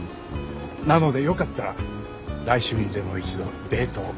なのでよかったら来週にでも一度デートを。